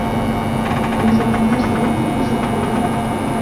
— Мужыраҥаш мо нелыже ала?